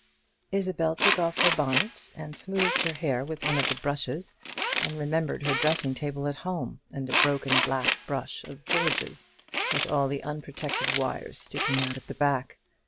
Isabel took off her bonnet, and smoothed her hair with one of the brushes, and remembered her dressing table at home, and a broken black brush of George's with all the unprotected wires sticking out at the back.